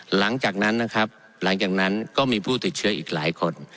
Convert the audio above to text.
หลังจากนั้นนะครับหลังจากนั้นก็มีผู้ติดเชื้ออีกหลายคน